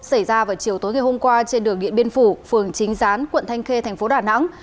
xảy ra vào chiều tối ngày hôm qua trên đường điện biên phủ phường chính gián quận thanh khê thành phố đà nẵng